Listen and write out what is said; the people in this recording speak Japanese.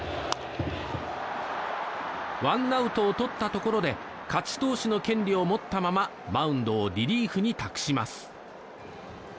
ワンアウトをとったところで勝ち投手の権利を持ったままマウンドをリリーフに託します。